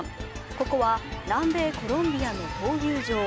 ここは南米コロンビアの闘牛場。